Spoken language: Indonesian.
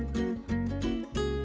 saya salah satu orang